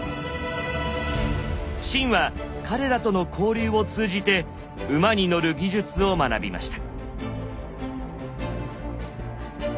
秦は彼らとの交流を通じて「馬に乗る技術」を学びました。